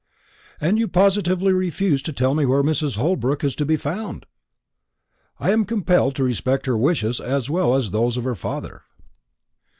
"And you positively refuse to tell me where Mrs. Holbrook is to be found?" "I am compelled to respect her wishes as well as those of her father."